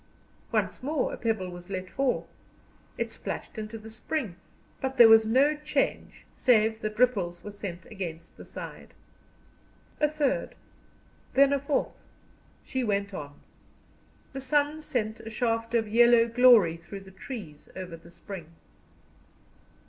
Once more a pebble was let fall. It splashed into the spring, but there was no change save that ripples were sent against the side. A third then a fourth she went on; the sun sent a shaft of yellow glory through the trees over the spring.